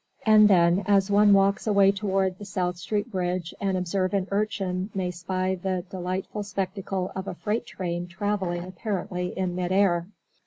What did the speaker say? And then, as one walks away toward the South Street bridge an observant Urchin may spy the delightful spectacle of a freight train travelling apparently in midair.